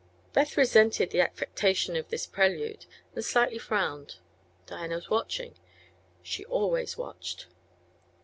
Beth resented the affectation of this prelude, and slightly frowned. Diana was watching; she always watched.